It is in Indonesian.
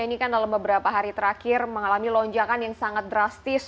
ini kan dalam beberapa hari terakhir mengalami lonjakan yang sangat drastis